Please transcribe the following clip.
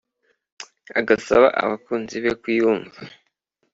agasaba abakunzi be kuyumva